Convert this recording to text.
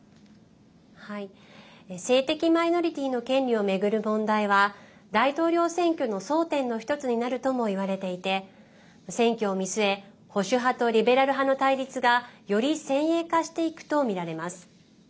性的マイノリティーの権利を巡る問題は大統領選挙の争点の一つになるともいわれていて選挙を見据え保守派とリベラル派の対立がより先鋭化していくとみられます。